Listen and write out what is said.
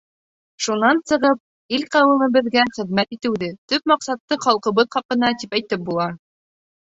Шунан сығып, ил-ҡәүемебеҙгә хеҙмәт итеүҙе, төп маҡсатты халҡыбыҙ хаҡына тип әйтеп була.